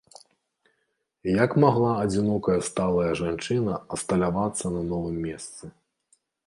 Як магла адзінокая сталая жанчына асталявацца на новым месцы?